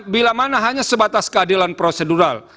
bila mana hanya sebatas keadilan prosedural